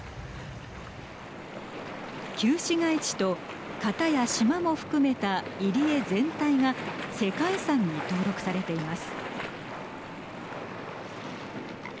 旧市街地と潟や島も含めた入り江全体が世界遺産に登録されています。